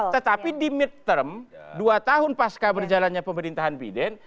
tetapi di mid term dua tahun pasca berjalannya pemerintahan biden